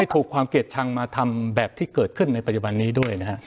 ถูกความเกลียดชังมาทำแบบที่เกิดขึ้นในปัจจุบันนี้ด้วยนะฮะ